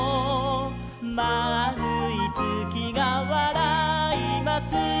「まあるいつきがわらいます」